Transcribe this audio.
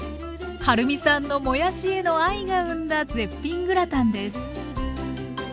はるみさんのもやしへの愛が生んだ絶品グラタンです。